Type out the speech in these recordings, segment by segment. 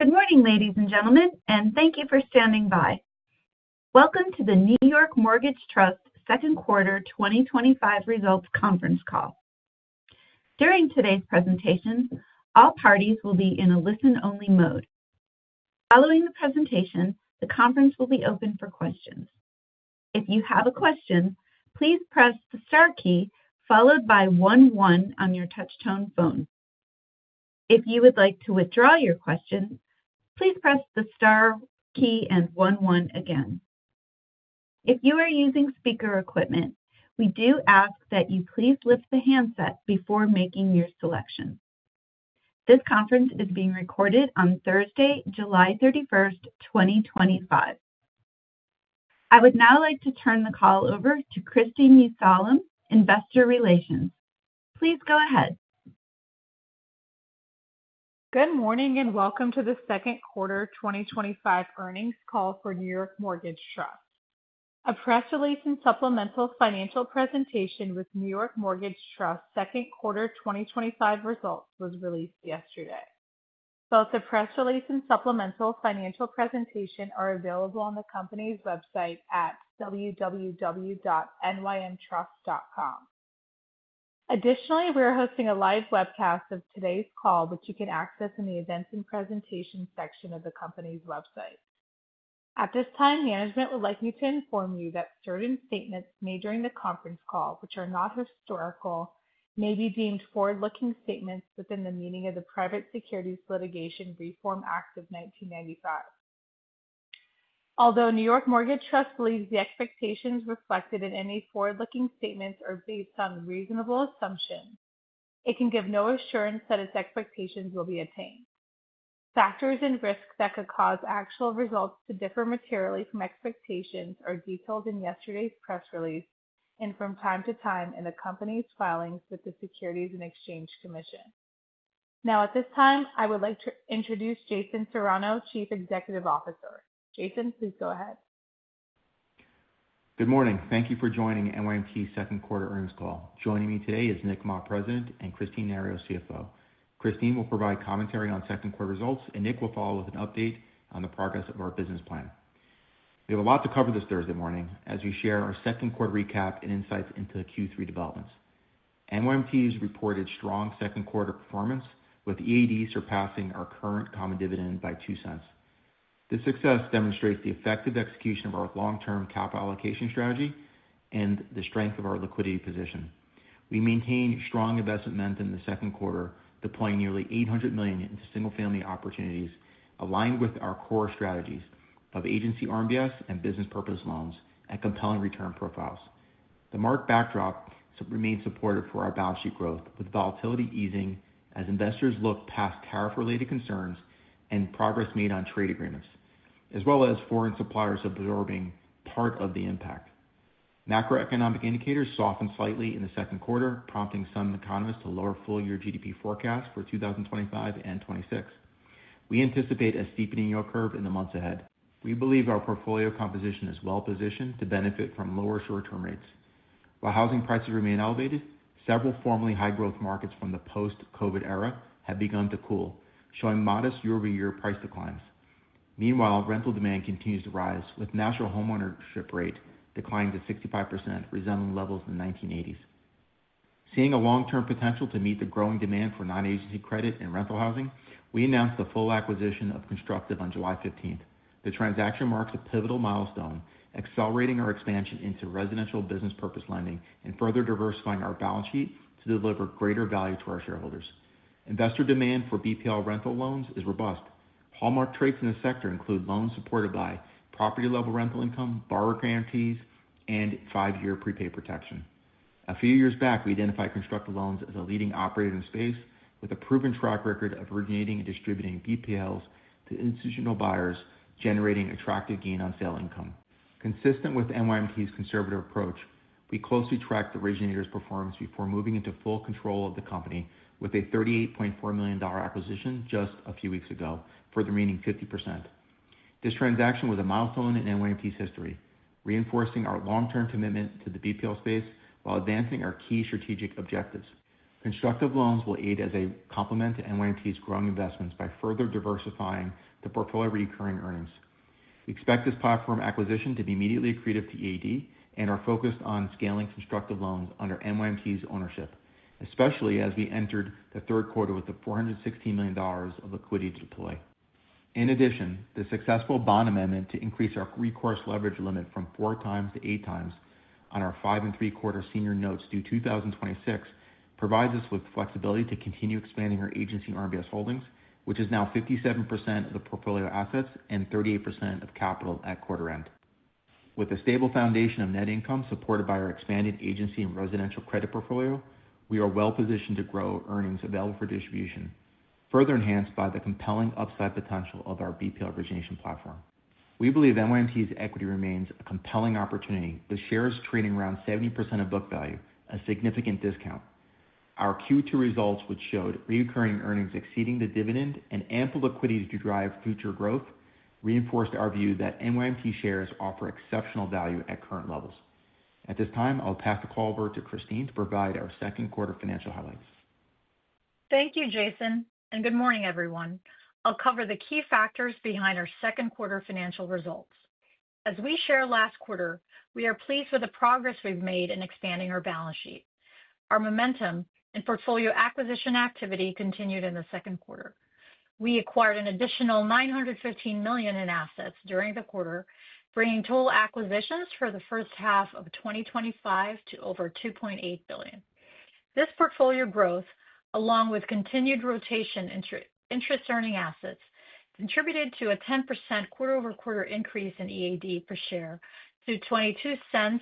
Good morning, ladies and gentlemen, and thank you for standing by. Welcome to the New York Mortgage Trust's second quarter 2025 results conference call. During today's presentation, all parties will be in a listen-only mode. Following the presentation, the conference will be open for questions. If you have a question, please press the star key followed by one one on your touch-tone phone. If you would like to withdraw your question, please press the star key and one one again. If you are using speaker equipment, we do ask that you please lift the handset before making your selection. This conference is being recorded on Thursday, July 31st, 2025. I would now like to turn the call over to Kristi Mussallem, Investor Relations. Please go ahead. Good morning and welcome to the second quarter 2025 earnings call for New York Mortgage Trust. A press release and supplemental financial presentation with New York Mortgage Trust's second quarter 2025 results was released yesterday. Both the press release and supplemental financial presentation are available on the company's website at www.nymtrust.com. Additionally, we're hosting a live webcast of today's call, which you can access in the events and presentation section of the company's website. At this time, management would like to inform you that certain statements made during the conference call, which are not historical, may be deemed forward-looking statements within the meaning of the Private Securities Litigation Reform Act of 1995. Although New York Mortgage Trust believes the expectations reflected in any forward-looking statements are based on reasonable assumptions, it can give no assurance that its expectations will be attained. Factors and risks that could cause actual results to differ materially from expectations are detailed in yesterday's press release and from time to time in the company's filings with the Securities and Exchange Commission. Now, at this time, I would like to introduce Jason Serrano, Chief Executive Officer. Jason, please go ahead. Good morning. Thank you for joining NYMT's second quarter earnings call. Joining me today is Nick Mah, President, and Kristine Nario, CFO. Kristine will provide commentary on second quarter results, and Nick will follow with an update on the progress of our business plan. We have a lot to cover this Thursday morning as we share our second quarter recap and insights into the Q3 developments. NYMT has reported strong second quarter performance, with EAD surpassing our current common dividend by $0.02. This success demonstrates the effective execution of our long-term capital allocation strategy and the strength of our liquidity position. We maintained strong investment momentum in the second quarter, deploying nearly $800 million into single-family opportunities, aligned with our core strategies of agency RMBS and Business-Purpose Loans at compelling return profiles. The market backdrop remains supportive for our balance sheet growth, with volatility easing as investors look past tariff-related concerns and progress made on trade agreements, as well as foreign suppliers absorbing part of the impact. Macroeconomic indicators softened slightly in the second quarter, prompting some economists to lower full-year GDP forecasts for 2025 and 2026. We anticipate a steepening yield curve in the months ahead. We believe our portfolio composition is well-positioned to benefit from lower short-term rates. While housing prices remain elevated, several formerly high-growth markets from the post-COVID era have begun to cool, showing modest year-over-year price declines. Meanwhile, rental demand continues to rise, with the national homeownership rate declining to 65%, resembling levels in the 1980s. Seeing a long-term potential to meet the growing demand for non-agency credit and rental housing, we announced the full acquisition of Constructive Loans on July 15th. The transaction marks a pivotal milestone, accelerating our expansion into residential business-purpose lending and further diversifying our balance sheet to deliver greater value to our shareholders. Investor demand for BPL rental loans is robust. Hallmark traits in the sector include loans supported by property-level rental income, borrower guarantees, and five-year prepaid protection. A few years back, we identified Constructive Loans as a leading operator in the space, with a proven track record of originating and distributing BPLs to institutional buyers, generating attractive gain on sale income. Consistent with NYMT's conservative approach, we closely tracked the originator's performance before moving into full control of the company with a $38.4 million acquisition just a few weeks ago, further meaning 50%. This transaction was a milestone in NYMT's history, reinforcing our long-term commitment to the BPL space while advancing our key strategic objectives. Constructive Loans will aid as a complement to NYMT's growing investments by further diversifying the portfolio of recurring earnings. We expect this platform acquisition to be immediately accretive to EAD and are focused on scaling Constructive Loans under NYMT's ownership, especially as we entered the third quarter with $416 million of liquidity to deploy. In addition, the successful bond amendment to increase our recourse leverage limit from 4x to 8x on our 5.75% senior notes due 2026 provides us with flexibility to continue expanding our agency RMBS holdings, which is now 57% of the portfolio assets and 38% of capital at quarter end. With a stable foundation of net income supported by our expanded agency and residential credit portfolio, we are well-positioned to grow earnings available for distribution, further enhanced by the compelling upside potential of our BPL origination platform. We believe NYMT's equity remains a compelling opportunity, with shares trading around 70% of book value at a significant discount. Our Q2 results, which showed recurring earnings exceeding the dividend and ample liquidity to drive future growth, reinforced our view that NYMT shares offer exceptional value at current levels. At this time, I'll pass the call over to Kristine to provide our second quarter financial highlights. Thank you, Jason, and good morning, everyone. I'll cover the key factors behind our second quarter financial results. As we shared last quarter, we are pleased with the progress we've made in expanding our balance sheet. Our momentum in portfolio acquisition activity continued in the second quarter. We acquired an additional $915 million in assets during the quarter, bringing total acquisitions for the first half of 2025 to over $2.8 billion. This portfolio growth, along with continued rotation into interest-earning assets, contributed to a 10% quarter-over-quarter increase in EAD per share to $0.22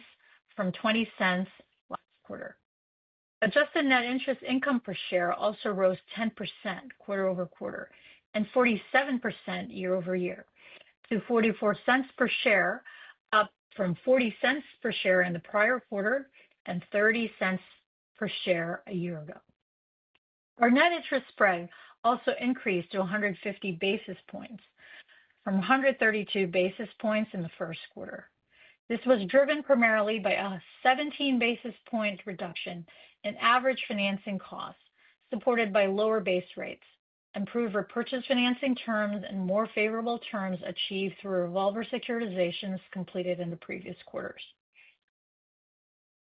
from $0.20 last quarter. Adjusted net interest income per share also rose 10% quarter-over-quarter and 47% year-over-year to $0.44 per share, up from $0.40 per share in the prior quarter and $0.30 per share a year ago. Our net interest spread also increased to 150 basis points from 132 basis points in the first quarter. This was driven primarily by a 17 basis point reduction in average financing costs, supported by lower base rates, improved repurchase financing terms, and more favorable terms achieved through revolver securitizations completed in the previous quarters.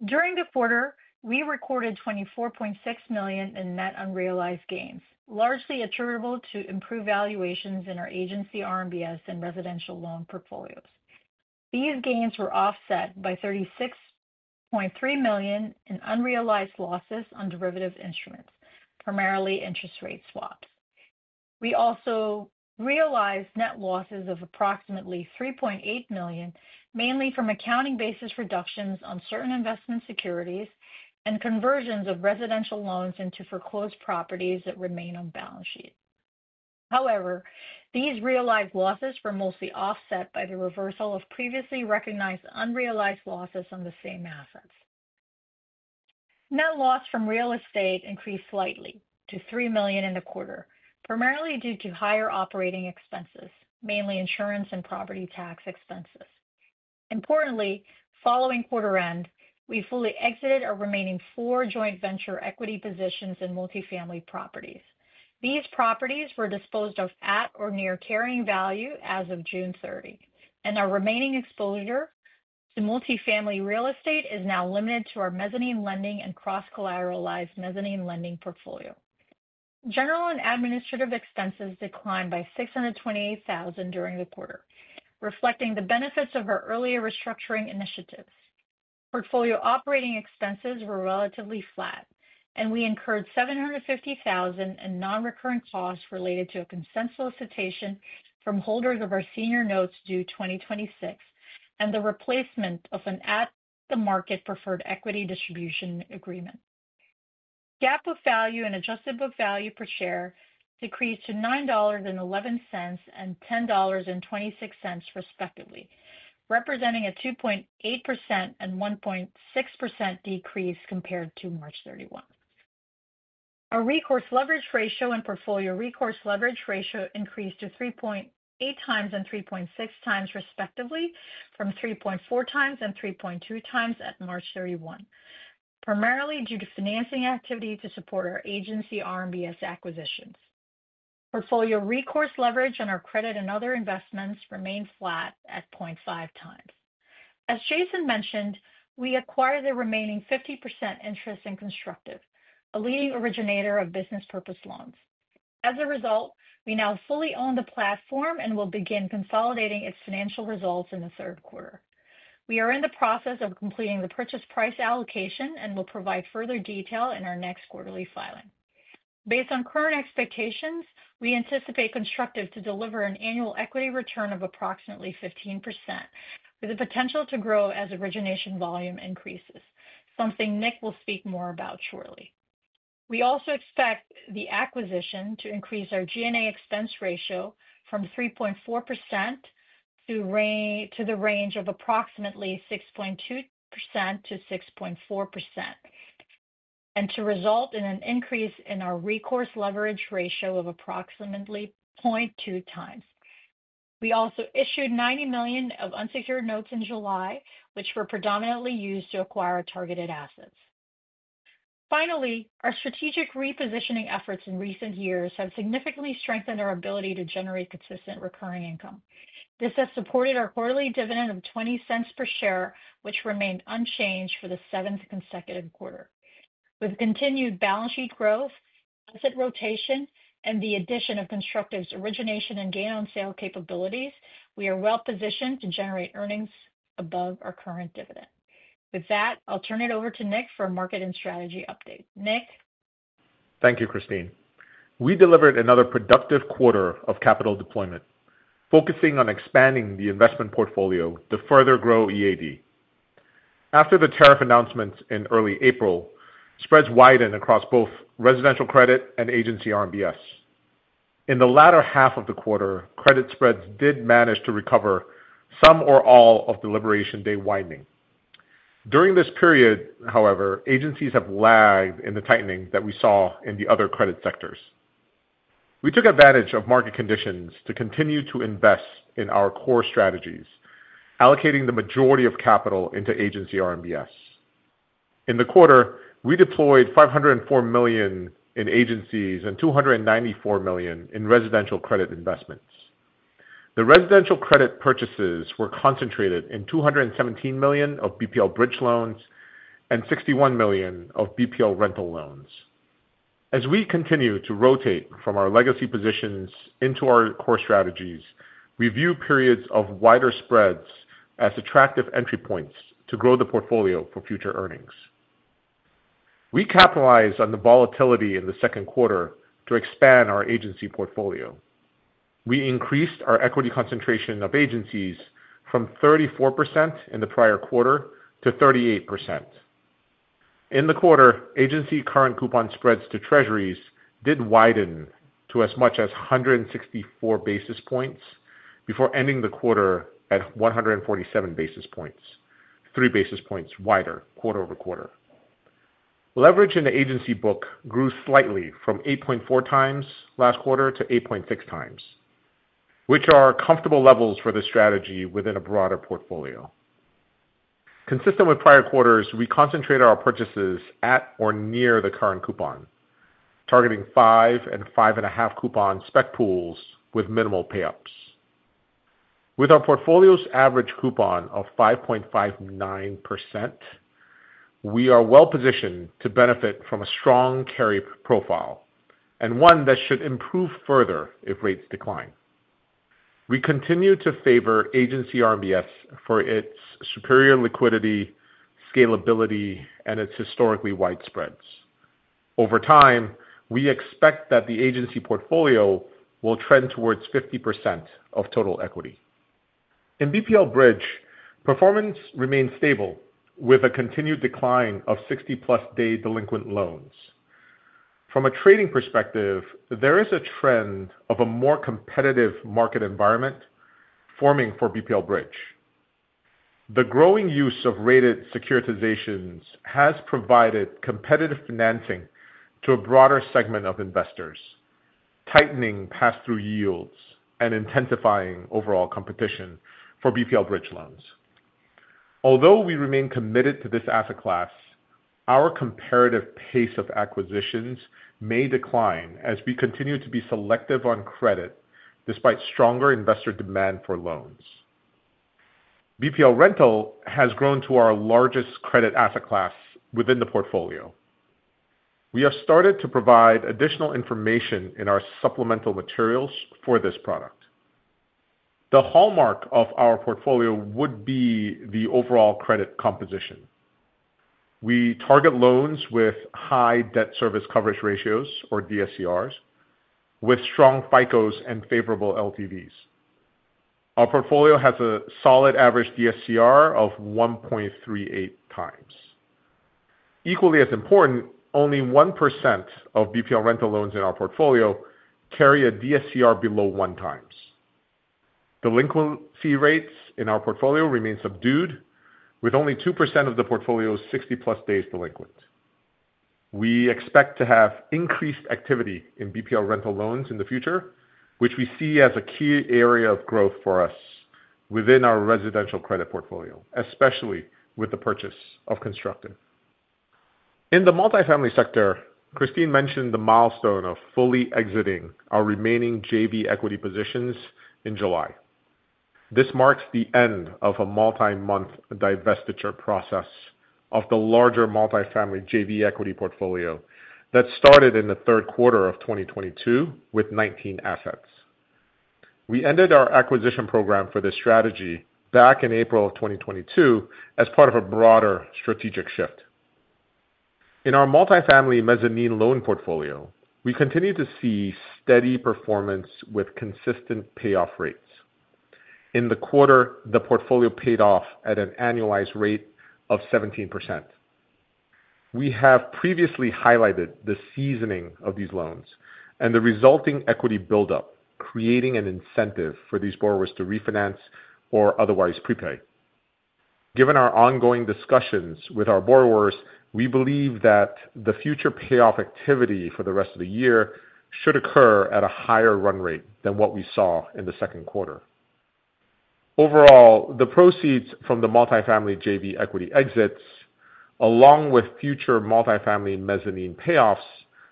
During the quarter, we recorded $24.6 million in net unrealized gains, largely attributable to improved valuations in our agency RMBS and residential loan portfolios. These gains were offset by $36.3 million in unrealized losses on derivative instruments, primarily interest rate swaps. We also realized net losses of approximately $3.8 million, mainly from accounting basis reductions on certain investment securities and conversions of residential loans into foreclosed properties that remain on balance sheets. However, these realized losses were mostly offset by the reversal of previously recognized unrealized losses on the same assets. Net loss from real estate increased slightly to $3 million in the quarter, primarily due to higher operating expenses, mainly insurance and property tax expenses. Importantly, following quarter end, we fully exited our remaining four joint venture equity positions in multifamily properties. These properties were disposed of at or near carrying value as of June 30, and our remaining exposure to multifamily real estate is now limited to our mezzanine lending and cross-collateralized mezzanine lending portfolio. General and administrative expenses declined by $628,000 during the quarter, reflecting the benefits of our earlier restructuring initiatives. Portfolio operating expenses were relatively flat, and we incurred $750,000 in non-recurring costs related to a consent solicitation from holders of our senior notes due 2026 and the replacement of an at-the-market preferred equity distribution agreement. GAAP book value and adjusted book value per share decreased to $9.11 and $10.26, respectively, representing a 2.8% and 1.6% decrease compared to March 31. Our recourse leverage ratio and portfolio recourse leverage ratio increased to 3.8x and 3.6x, respectively, from 3.4x and 3.2x at March 31, primarily due to financing activity to support our agency RMBS acquisitions. Portfolio recourse leverage on our credit and other investments remains flat at 0.5x. As Jason mentioned, we acquired the remaining 50% interest in Constructive, a leading originator of Business-Purpose Loans. As a result, we now fully own the platform and will begin consolidating its financial results in the third quarter. We are in the process of completing the purchase price allocation and will provide further detail in our next quarterly filing. Based on current expectations, we anticipate Constructive to deliver an annual equity return of approximately 15%, with the potential to grow as origination volume increases, something Nick will speak more about shortly. We also expect the acquisition to increase our G&A expense ratio from 3.4% to the range of approximately 6.2%-6.4% and to result in an increase in our recourse leverage ratio of approximately 0.2x. We also issued $90 million of unsecured notes in July, which were predominantly used to acquire targeted assets. Finally, our strategic repositioning efforts in recent years have significantly strengthened our ability to generate consistent recurring income. This has supported our quarterly dividend of $0.20 per share, which remained unchanged for the seventh consecutive quarter. With continued balance sheet growth, asset rotation, and the addition of Constructive's origination and gain on sale capabilities, we are well-positioned to generate earnings above our current dividend. With that, I'll turn it over to Nick for a market and strategy update. Nick? Thank you, Kristine. We delivered another productive quarter of capital deployment, focusing on expanding the investment portfolio to further grow EAD. After the tariff announcements in early April, spreads widened across both residential credit and agency RMBS. In the latter half of the quarter, credit spreads did manage to recover some or all of the Liberation Day widening. During this period, however, agencies have lagged in the tightening that we saw in the other credit sectors. We took advantage of market conditions to continue to invest in our core strategies, allocating the majority of capital into agency RMBS. In the quarter, we deployed $504 million in agencies and $294 million in residential credit investments. The residential credit purchases were concentrated in $217 million of BPL bridge loans and $61 million of BPL rental loans. As we continue to rotate from our legacy positions into our core strategies, we view periods of wider spreads as attractive entry points to grow the portfolio for future earnings. We capitalized on the volatility in the second quarter to expand our agency portfolio. We increased our equity concentration of agencies from 34% in the prior quarter to 38%. In the quarter, agency current coupon spreads to Treasuries did widen to as much as 164 basis points before ending the quarter at 147 basis points, three basis points wider quarter-over-quarter. Leverage in the agency book grew slightly from 8.4x last quarter to 8.6x, which are comfortable levels for this strategy within a broader portfolio. Consistent with prior quarters, we concentrated our purchases at or near the current coupon, targeting five and five and a half coupon spec pools with minimal payups. With our portfolio's average coupon of 5.59%, we are well-positioned to benefit from a strong carry profile and one that should improve further if rates decline. We continue to favor agency RMBS for its superior liquidity, scalability, and its historically wide spreads. Over time, we expect that the agency portfolio will trend towards 50% of total equity. In BPL bridge, performance remains stable with a continued decline of 60+ day delinquent loans. From a trading perspective, there is a trend of a more competitive market environment forming for BPL bridge. The growing use of rated securitizations has provided competitive financing to a broader segment of investors, tightening pass-through yields and intensifying overall competition for BPL bridge loans. Although we remain committed to this asset class, our comparative pace of acquisitions may decline as we continue to be selective on credit despite stronger investor demand for loans. BPL rental has grown to our largest credit asset class within the portfolio. We have started to provide additional information in our supplemental materials for this product. The hallmark of our portfolio would be the overall credit composition. We target loans with high Debt Service Coverage Ratios, or DSCRs, with strong FICOs and favorable LTVs. Our portfolio has a solid average DSCR of 1.38x. Equally as important, only 1% of BPL rental loans in our portfolio carry a DSCR below onex. Delinquency rates in our portfolio remain subdued, with only 2% of the portfolio's 60+ days delinquent. We expect to have increased activity in BPL rental loans in the future, which we see as a key area of growth for us within our residential credit portfolio, especially with the purchase of Constructive. In the multifamily sector, Kristine mentioned the milestone of fully exiting our remaining JV equity positions in July. This marks the end of a multi-month divestiture process of the larger multifamily JV equity portfolio that started in the third quarter of 2022 with 19 assets. We ended our acquisition program for this strategy back in April of 2022 as part of a broader strategic shift. In our multifamily mezzanine loan portfolio, we continue to see steady performance with consistent payoff rates. In the quarter, the portfolio paid off at an annualized rate of 17%. We have previously highlighted the seasoning of these loans and the resulting equity buildup, creating an incentive for these borrowers to refinance or otherwise prepay. Given our ongoing discussions with our borrowers, we believe that the future payoff activity for the rest of the year should occur at a higher run rate than what we saw in the second quarter. Overall, the proceeds from the multifamily JD equity exits, along with future multifamily mezzanine payoffs,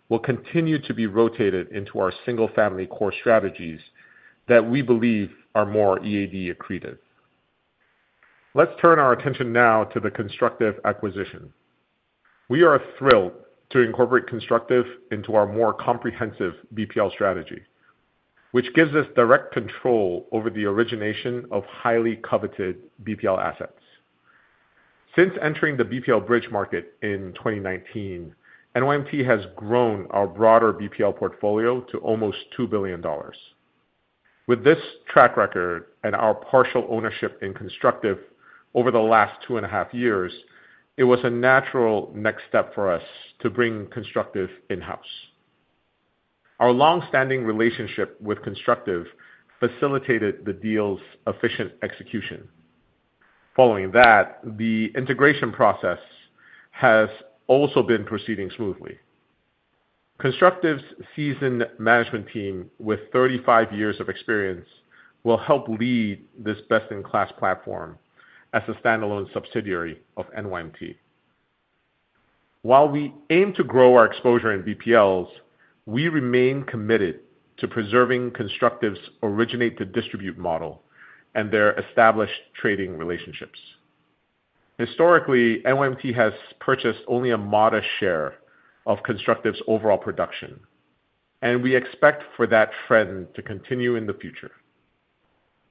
will continue to be rotated into our single-family core strategies that we believe are more EAD accretive. Let's turn our attention now to the Constructive acquisition. We are thrilled to incorporate Constructive into our more comprehensive BPL strategy, which gives us direct control over the origination of highly coveted BPL assets. Since entering the BPL bridge market in 2019, NYMT has grown our broader BPL portfolio to almost $2 billion. With this track record and our partial ownership in Constructive over the last two and a half years, it was a natural next step for us to bring Constructive in-house. Our longstanding relationship with Constructive facilitated the deal's efficient execution. Following that, the integration process has also been proceeding smoothly. Constructive's seasoned management team, with 35 years of experience, will help lead this best-in-class platform as a standalone subsidiary of NYMT. While we aim to grow our exposure in BPLs, we remain committed to preserving Constructive's originate-to-distribute model and their established trading relationships. Historically, NYMT has purchased only a modest share of Constructive's overall production, and we expect for that trend to continue in the future.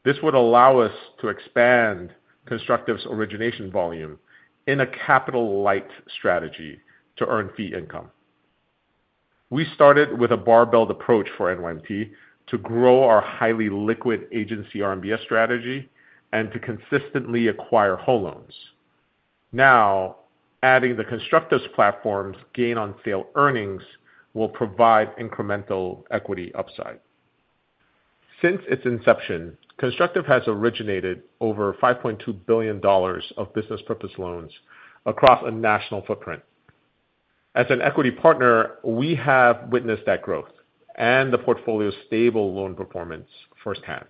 This would allow us to expand Constructive's origination volume in a capital-light strategy to earn fee income. We started with a barbelled approach for NYMT to grow our highly liquid agency RMBS strategy and to consistently acquire home loans. Now, adding Constructive's platform's gain on sale earnings will provide incremental equity upside. Since its inception, Constructive has originated over $5.2 billion of Business-Purpose Loans across a national footprint. As an equity partner, we have witnessed that growth and the portfolio's stable loan performance firsthand.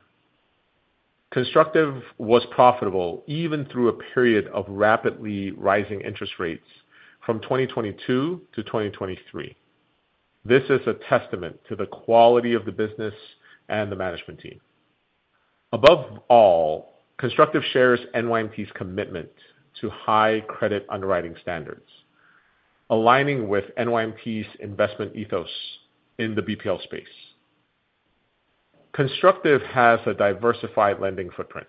Constructive was profitable even through a period of rapidly rising interest rates from 2022-2023. This is a testament to the quality of the business and the management team. Above all, Constructive shares NYMT's commitment to high credit underwriting standards, aligning with NYMT's investment ethos in the BPL space. Constructive has a diversified lending footprint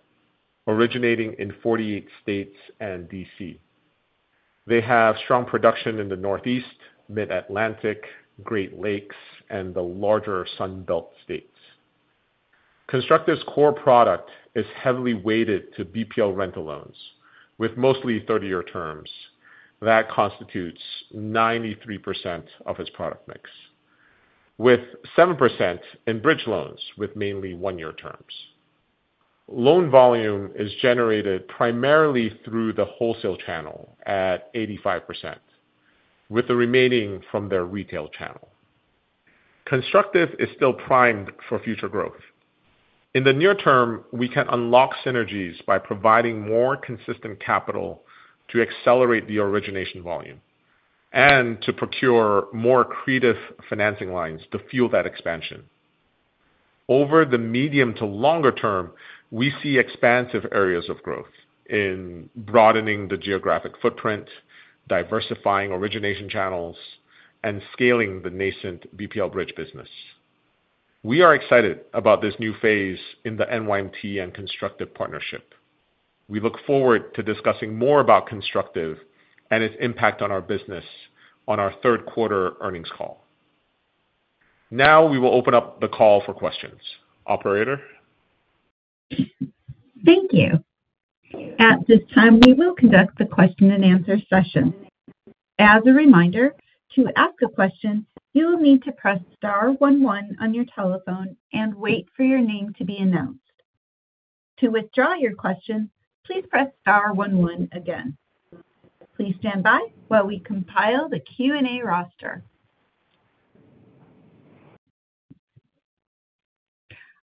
originating in 48 states and DC. They have strong production in the Northeast, Mid-Atlantic, Great Lakes, and the larger Sunbelt states. Constructive's core product is heavily weighted to BPL rental loans with mostly 30-year terms that constitute 93% of its product mix, with 7% in bridge loans with mainly one-year terms. Loan volume is generated primarily through the wholesale channel at 85%, with the remaining from their retail channel. Constructive is still primed for future growth. In the near term, we can unlock synergies by providing more consistent capital to accelerate the origination volume and to procure more accretive financing lines to fuel that expansion. Over the medium to longer term, we see expansive areas of growth in broadening the geographic footprint, diversifying origination channels, and scaling the nascent BPL bridge business. We are excited about this new phase in the NYMT and Constructive partnership. We look forward to discussing more about Constructive and its impact on our business on our third quarter earnings call. Now, we will open up the call for questions. Operator. Thank you. At this time, we will conduct the question and answer session. As a reminder, to ask a question, you will need to press star one one on your telephone and wait for your name to be announced. To withdraw your question, please press star one one again. Please stand by while we compile the Q&A roster.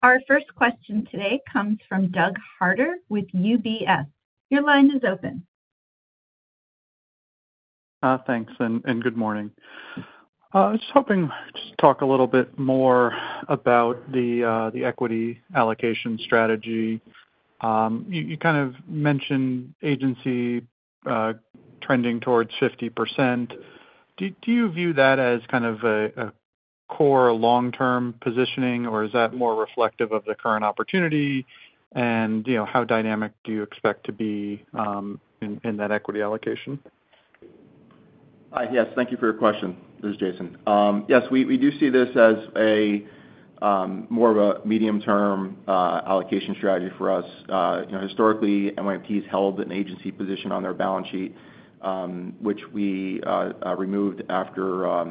Our first question today comes from Doug Harter with UBS. Your line is open. Thanks, and good morning. I was hoping to talk a little bit more about the equity allocation strategy. You kind of mentioned agency trending towards 50%. Do you view that as kind of a core long-term positioning, or is that more reflective of the current opportunity? How dynamic do you expect to be in that equity allocation? Yes, thank you for your question, this is Jason. Yes, we do see this as more of a medium-term allocation strategy for us. Historically, NYMT's held an agency position on their balance sheet, which we removed after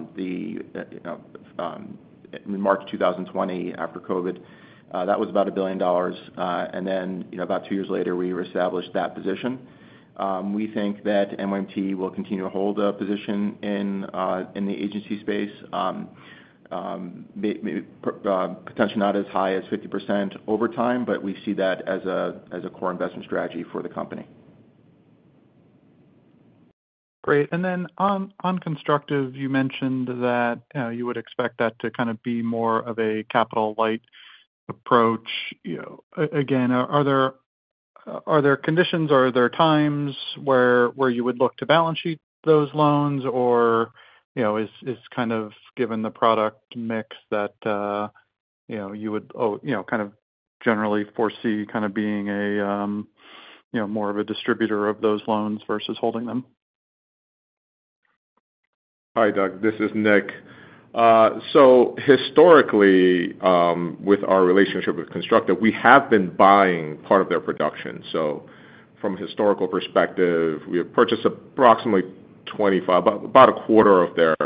March 2020, after COVID. That was about $1 billion. About two years later, we reestablished that position. We think that NYMT will continue to hold a position in the agency space, potentially not as high as 50% over time, but we see that as a core investment strategy for the company. Great. On Constructive, you mentioned that you would expect that to kind of be more of a capital-light approach. Are there conditions or times where you would look to balance sheet those loans, or is it, given the product mix, that you would generally foresee being more of a distributor of those loans versus holding them? Hi, Doug. This is Nick. Historically, with our relationship with Constructive, we have been buying part of their production. From a historical perspective, we have purchased approximately 25%, about a quarter of their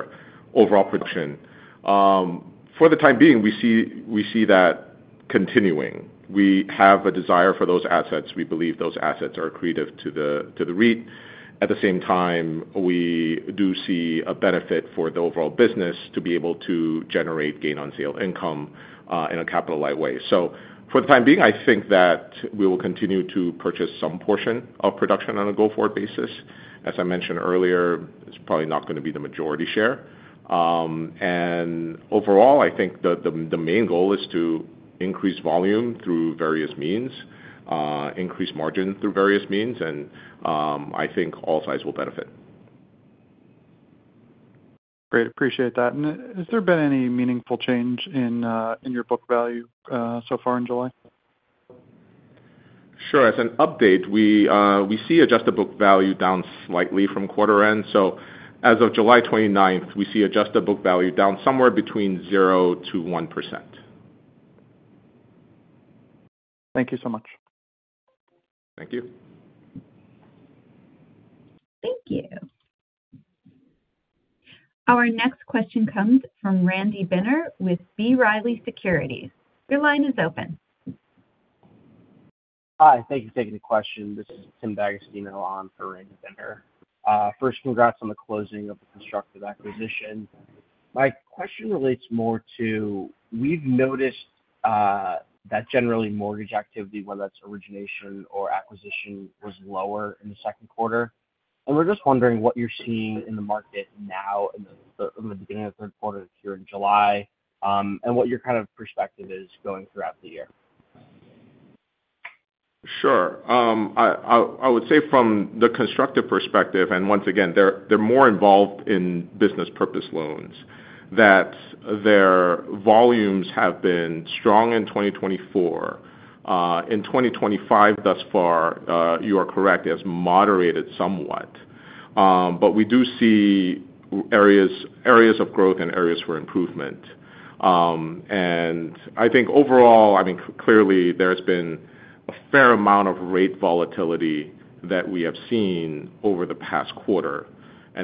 overall production. For the time being, we see that continuing. We have a desire for those assets. We believe those assets are accretive to the REIT. At the same time, we do see a benefit for the overall business to be able to generate gain on sale income in a capital-light way. For the time being, I think that we will continue to purchase some portion of production on a go-forward basis. As I mentioned earlier, it's probably not going to be the majority share. Overall, I think the main goal is to increase volume through various means, increase margin through various means, and I think all sides will benefit. Great. I appreciate that. Has there been any meaningful change in your book value so far in July? Sure. As an update, we see adjusted book value down slightly from quarter end. As of July 29th, we see adjusted book value down somewhere between 0%-1%. Thank you so much. Thank you. Thank you. Our next question comes from Randy Binner with B. Riley Securities. Your line is open. Hi. Thank you for taking the question. This is Tim Paisley on the line for Randy Binner. First, congrats on the closing of the Constructive acquisition. My question relates more to we've noticed that generally mortgage activity, whether that's origination or acquisition, was lower in the second quarter. We're just wondering what you're seeing in the market now in the beginning of the third quarter here in July and what your kind of perspective is going throughout the year. Sure. I would say from the Constructive perspective, and once again, they're more involved in Business-Purpose Loans, that their volumes have been strong in 2024. In 2025, thus far, you are correct, it has moderated somewhat. We do see areas of growth and areas for improvement. I think overall, clearly there has been a fair amount of rate volatility that we have seen over the past quarter.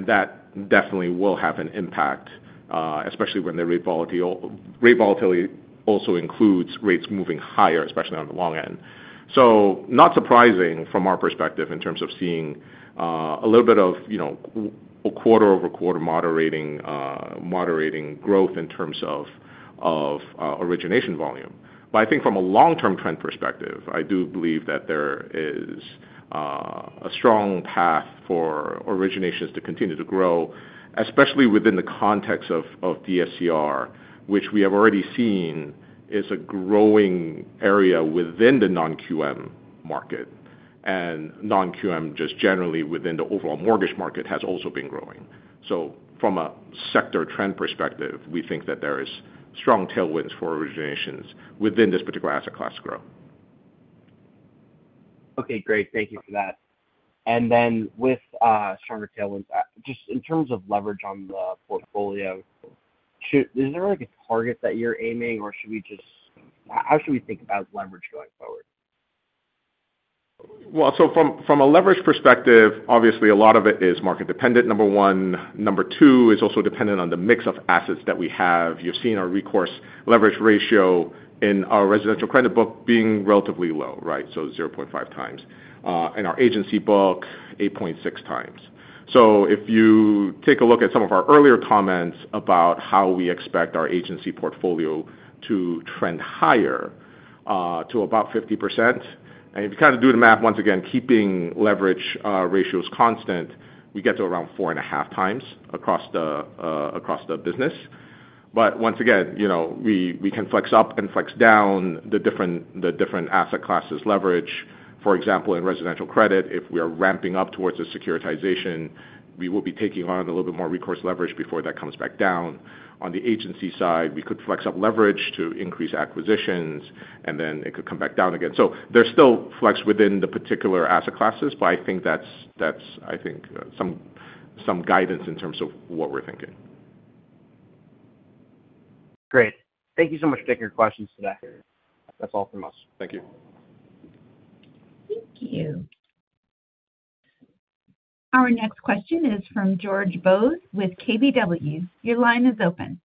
That definitely will have an impact, especially when the rate volatility also includes rates moving higher, especially on the long end. It is not surprising from our perspective in terms of seeing a little bit of a quarter-over-quarter moderating growth in terms of origination volume. I think from a long-term trend perspective, I do believe that there is a strong path for originations to continue to grow, especially within the context of DSCR, which we have already seen is a growing area within the non-QM market. Non-QM just generally within the overall mortgage market has also been growing. From a sector trend perspective, we think that there are strong tailwinds for originations within this particular asset class to grow. Okay, great. Thank you for that. With stronger tailwinds, just in terms of leverage on the portfolio, is there a target that you're aiming for, or how should we think about leverage going forward? From a leverage perspective, obviously a lot of it is market dependent, number one. Number two is also dependent on the mix of assets that we have. You're seeing our recourse leverage ratio in our residential credit book being relatively low, right? So, 0.5x. And our agency book, 8.6x. If you take a look at some of our earlier comments about how we expect our agency portfolio to trend higher to about 50%, and if you kind of do the math, once again, keeping leverage ratios constant, we get to around 4.5x across the business. Once again, you know we can flex up and flex down the different asset classes' leverage. For example, in residential credit, if we are ramping up towards a securitization, we will be taking on a little bit more recourse leverage before that comes back down. On the agency side, we could flex up leverage to increase acquisitions, and then it could come back down again. There's still flex within the particular asset classes, but I think that's, I think, some guidance in terms of what we're thinking. Great. Thank you so much for taking your questions today. That's all from us. Thank you. Thank you. Our next question is from George Bose with KBW. Your line is open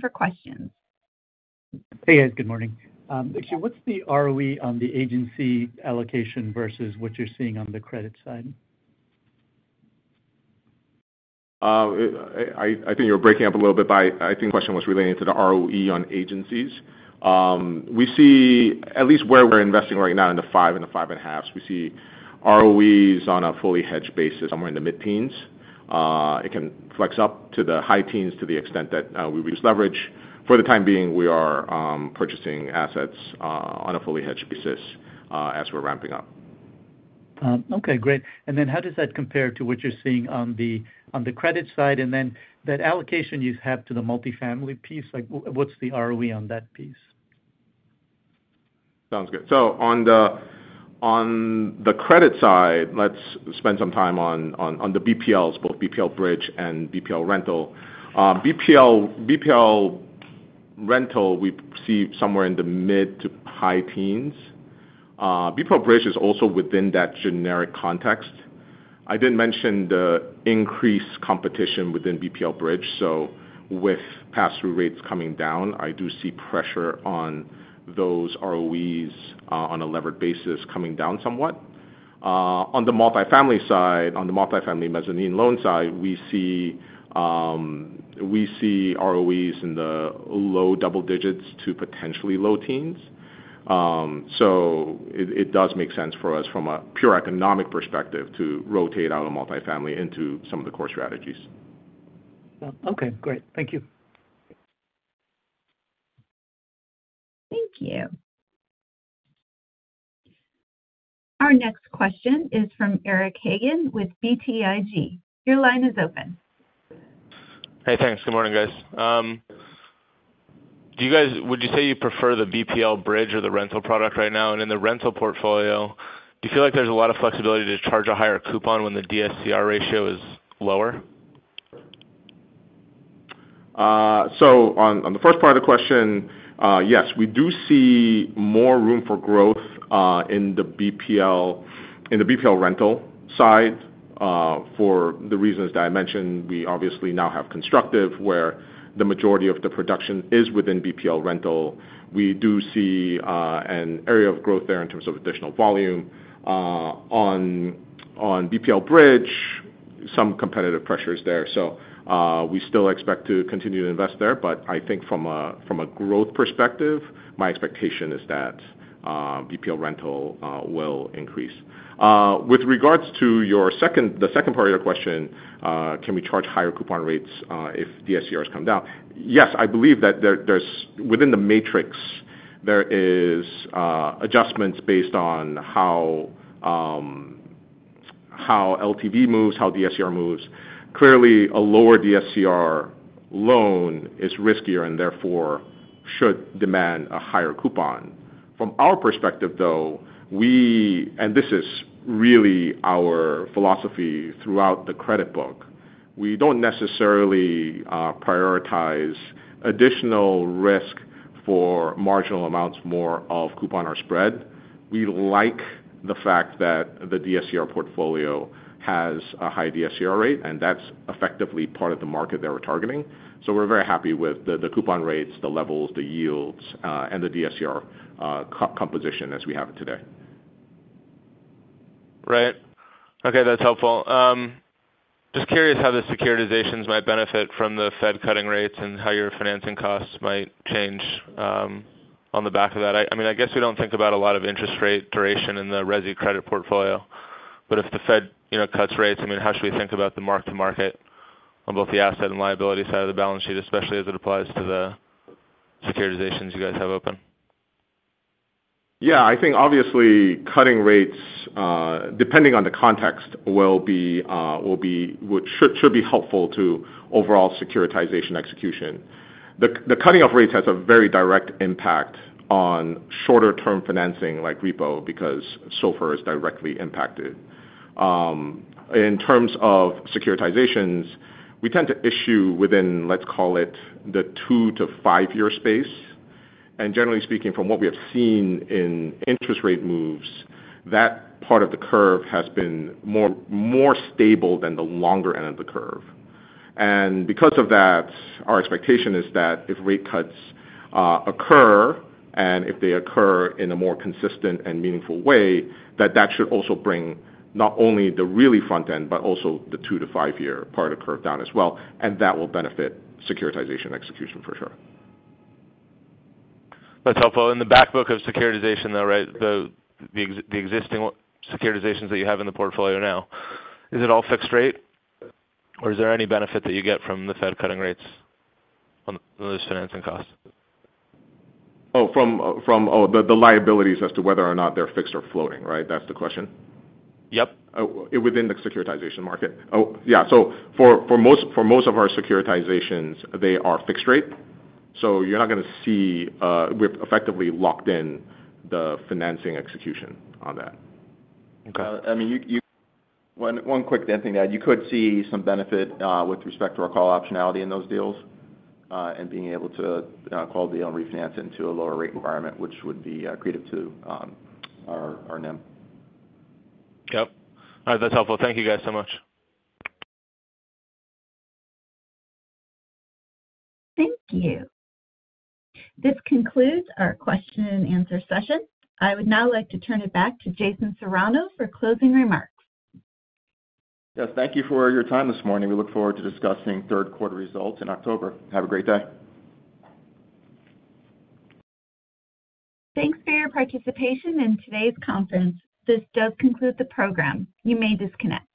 for questions. Hey, guys. Good morning. Actually, what's the ROE on the agency allocation versus what you're seeing on the credit side? I think you were breaking up a little bit, but I think the question was related to the ROE on agencies. We see, at least where we're investing right now in the 5s and the 5.5s, we see ROEs on a fully hedged basis somewhere in the mid-teens. It can flex up to the high teens to the extent that we reduce leverage. For the time being, we are purchasing assets on a fully hedged basis as we're ramping up. Okay, great. How does that compare to what you're seeing on the credit side? That allocation you have to the multifamily piece, like what's the ROE on that piece? Sounds good. On the credit side, let's spend some time on the BPLs, both BPL bridge and BPL rental. BPL rental, we see somewhere in the mid to high teens. BPL bridge is also within that generic context. I didn't mention the increased competition within BPL bridge. With pass-through rates coming down, I do see pressure on those ROEs on a levered basis coming down somewhat. On the multifamily side, on the multifamily mezzanine loan side, we see ROEs in the low double digits to potentially low teens. It does make sense for us from a pure economic perspective to rotate out of multifamily into some of the core strategies. Okay, great. Thank you. Thank you. Our next question is from Eric Hagen with BTIG. Your line is open. Hey, thanks. Good morning, guys. Do you guys, would you say you prefer the BPL bridge or the rental product right now? In the rental portfolio, do you feel like there's a lot of flexibility to charge a higher coupon when the DSCR ratio is lower? Yes, we do see more room for growth in the BPL rental side for the reasons that I mentioned. We obviously now have Constructive where the majority of the production is within BPL rental. We do see an area of growth there in terms of additional volume. On BPL bridge, some competitive pressures there. We still expect to continue to invest there, but I think from a growth perspective, my expectation is that BPL rental will increase. With regards to the second part of your question, can we charge higher coupon rates if DSCRs come down? Yes, I believe that within the matrix, there are adjustments based on how LTV moves, how DSCR moves. Clearly, a lower DSCR loan is riskier and therefore should demand a higher coupon. From our perspective, though, and this is really our philosophy throughout the credit book, we don't necessarily prioritize additional risk for marginal amounts more of coupon or spread. We like the fact that the DSCR portfolio has a high DSCR rate, and that's effectively part of the market that we're targeting. We're very happy with the coupon rates, the levels, the yields, and the DSCR composition as we have it today. Right. Okay, that's helpful. Just curious how the securitizations might benefit from the Fed cutting rates and how your financing costs might change on the back of that. I mean, I guess we don't think about a lot of interest rate duration in the residential credit portfolio, but if the Fed cuts rates, I mean, how should we think about the mark-to-market on both the asset and liability side of the balance sheet, especially as it applies to the securitizations you guys have open? Yeah, I think obviously cutting rates, depending on the context, should be helpful to overall securitization execution. The cutting of rates has a very direct impact on shorter-term financing like repo because SOFR is directly impacted. In terms of securitizations, we tend to issue within, let's call it, the 2-5 year space. Generally speaking, from what we have seen in interest rate moves, that part of the curve has been more stable than the longer end of the curve. Because of that, our expectation is that if rate cuts occur, and if they occur in a more consistent and meaningful way, that should also bring not only the really front end, but also the 2-5 year part of the curve down as well. That will benefit securitization execution for sure. That's helpful. In the backbook of securitization, though, right, the existing securitizations that you have in the portfolio now, is it all fixed rate? Or is there any benefit that you get from the Fed cutting rates on those financing costs? Oh, from the liabilities, as to whether or not they're fixed or floating, right? That's the question? Yep. Within the securitization market. For most of our securitizations, they are fixed rate. You're not going to see, we've effectively locked in the financing execution on that. Okay. I mean, one quick dent in that, you could see some benefit with respect to our call optionality in those deals and being able to call the deal and refinance into a lower rate environment, which would be accretive to our NIM. Yep. All right, that's helpful. Thank you guys so much. Thank you. This concludes our question and answer session. I would now like to turn it back to Jason Serrano for closing remarks. Yes, thank you for your time this morning. We look forward to discussing third quarter results in October. Have a great day. Thanks for your participation in today's conference. This does conclude the program. You may disconnect.